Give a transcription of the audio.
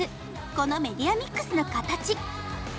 このメディアミックスの形。